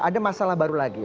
ada masalah baru lagi